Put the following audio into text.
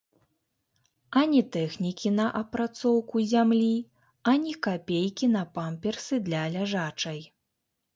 Ані тэхнікі на апрацоўку зямлі, ані капейкі на памперсы для ляжачай.